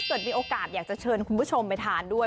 เกิดมีโอกาสอยากจะเชิญคุณผู้ชมไปทานด้วย